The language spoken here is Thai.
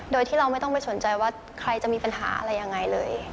โดยที่เราไม่ต้องไปสนใจว่าใครจะมีปัญหาอะไรยังไงเลย